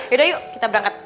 yaudah yuk kita berangkat